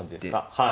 はい。